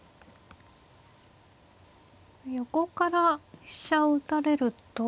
横から飛車を打たれると。